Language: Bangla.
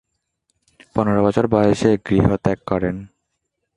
পনের বছর বয়সে গৃহত্যাগ করেন।